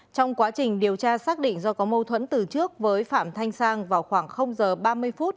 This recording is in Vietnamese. trong quá trình điều tra xác định do có mâu thuẫn từ trước với phạm thanh sang vào khoảng giờ ba mươi phút